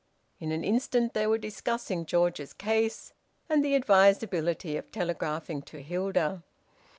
In an instant they were discussing George's case, and the advisability of telegraphing to Hilda.